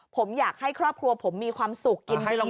ผมอยากให้ครอบครัวผมมีความสุขกินทีวดีอ่ะ